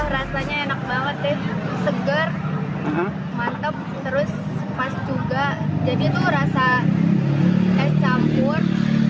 rasanya enak banget deh segar mantep terus pas juga jadi tuh rasa es campur